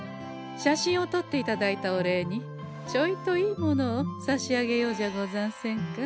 写真をとっていただいたお礼にちょいといいものをさしあげようじゃござんせんか。